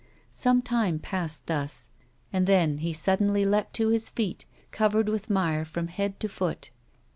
Some time passed thus, and then he suddenly leapt to his feet, covered with mire from head to foot.